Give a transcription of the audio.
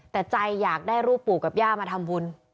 แต่ใจอยากได้รูปปู่กับย่ามาทำบุญ